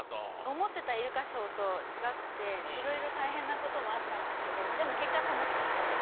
思ってたイルカショーと違くていろいろ大変なこともあったんですけどでも結果楽しかったです。